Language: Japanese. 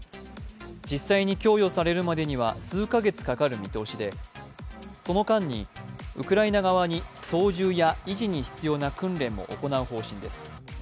実際に供与されるまでには数か月かかる見通しでその間にウクライナ側に操縦や維持に必要な訓練も行う方針です。